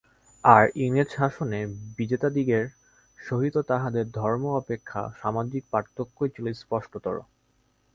আর ইংরেজ-শাসনে বিজেতাদিগের সহিত তাহাদের ধর্ম অপেক্ষা সামাজিক পার্থক্যই ছিল স্পষ্টতর।